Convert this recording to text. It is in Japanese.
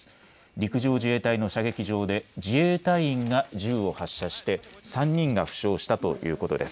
陸上自衛隊の射撃場で自衛隊員が銃を発射して３人が負傷したということです。